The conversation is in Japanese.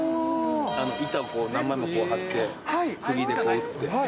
板、何枚も貼って、くぎでこう打って。